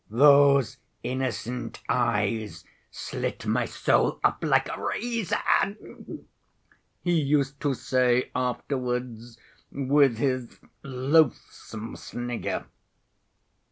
"Those innocent eyes slit my soul up like a razor," he used to say afterwards, with his loathsome snigger.